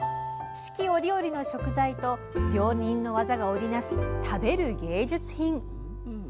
四季折々の食材と料理人の技が織り成す「食べる芸術品」。